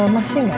masih nggak ya